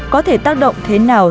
có thể tác động thế nào